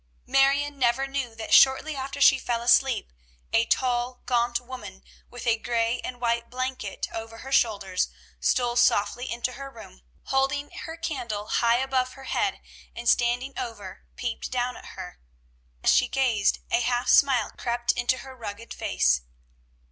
Marion never knew that shortly after she fell asleep a tall, gaunt woman with a gray and white blanket over her shoulders stole softly into her room, holding her candle high above her bed, and standing over, peered down at her. As she gazed, a half smile crept into her rugged face.